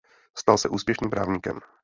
Stal se úspěšným právníkem.